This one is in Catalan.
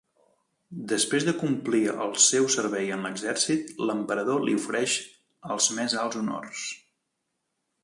Després de complir el seu servei en l'exèrcit, l'Emperador li ofereix els més alts honors.